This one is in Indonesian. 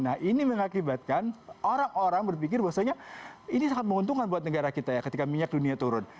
nah ini mengakibatkan orang orang berpikir bahwasanya ini sangat menguntungkan buat negara kita ya ketika minyak dunia turun